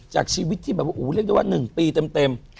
จากชีวิตที่เรียกว่า๑ปีเต็ม